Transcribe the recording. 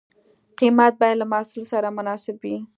قیمت باید له محصول سره مناسب وي.